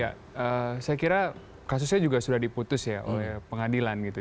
ya saya kira kasusnya juga sudah diputus ya oleh pengadilan gitu